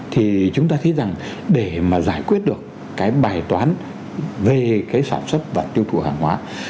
thì chúng ta thấy rằng để mà giải quyết được cái bài toán về cái sản xuất và tiêu thụ hàng hóa